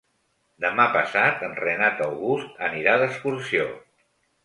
Demà passat en Renat August anirà d'excursió.